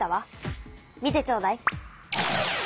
見てちょうだい。